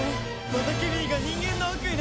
またケミーが人間の悪意で。